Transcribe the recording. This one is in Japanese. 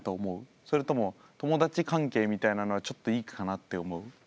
それとも友達関係みたいなのはちょっといいかなって思う？